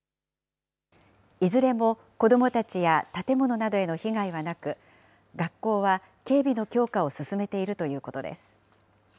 いずれも子どもたちや建物などへの被害はなく、学校は警備の強化を進めているということです。